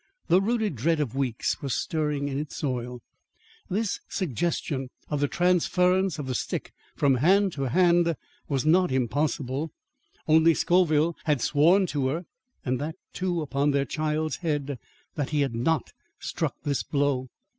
The rooted dread of weeks was stirring in its soil. This suggestion of the transference of the stick from hand to hand was not impossible. Only Scoville had sworn to her, and that, too, upon their child's head, that he had not struck this blow.